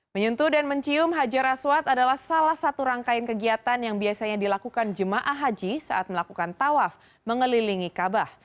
menyentuh dan mencium hajar aswad adalah salah satu rangkaian kegiatan yang biasanya dilakukan jemaah haji saat melakukan tawaf mengelilingi kabah